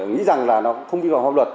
nghĩ rằng là nó không vi phạm pháp luật